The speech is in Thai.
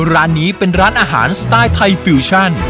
ร้านนี้เป็นร้านอาหารสไตล์ไทยฟิวชั่น